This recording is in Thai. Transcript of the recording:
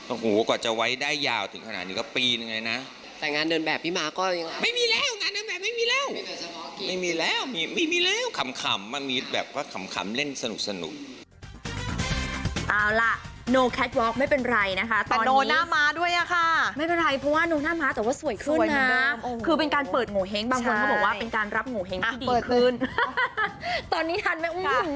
โอ้โหกว่าจะไว้ได้ยาวถึงขนาดนี้ก็ปีนึงไงนะ